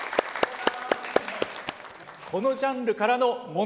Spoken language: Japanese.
このジャンルからの問題です。